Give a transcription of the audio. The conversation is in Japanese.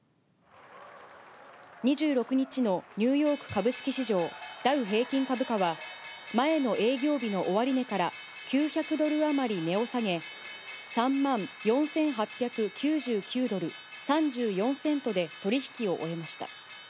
２６日のニューヨーク株式市場ダウ平均株価は、前の営業日の終値から９００ドル余り値を下げ、３万４８９９ドル３４セントで取り引きを終えました。